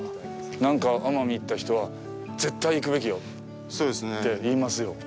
なんか奄美行った人は絶対行くべきよって言いますよ。